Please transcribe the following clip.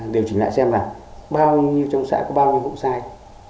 điều chỉnh lại xem là bao nhiêu trong xã có bao nhiêu vụ sai